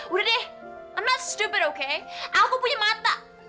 udah deh aku bukan buruk oke aku punya mata